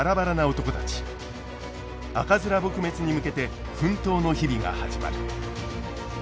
赤面撲滅に向けて奮闘の日々が始まる。